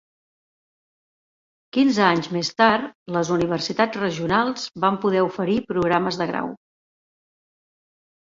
Quinze anys més tard, les universitats regionals van poder oferir programes de grau.